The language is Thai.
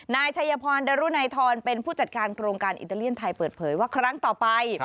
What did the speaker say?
นายชัยพรดรุนัยทรเป็นผู้จัดการโครงการอิตาเลียนไทยเปิดเผยว่าครั้งต่อไป